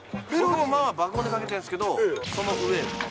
僕もまあ、爆音でかけてるんですけど、その上。